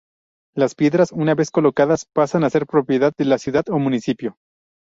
Las piedras, una vez colocadas, pasan a ser propiedad de la ciudad o municipio.